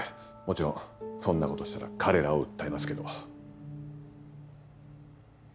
もちろんそんな事したら彼らを訴えますけど。